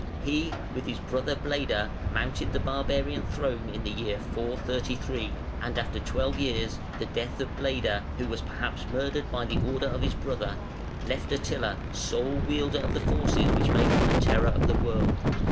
He, with his brother Bleda, mounted the barbarian throne in the year 433, and after twelve years the death of Bleda (who was perhaps murdered by order of his brother) left Attila sole wielder of the forces which made him the terror of the world.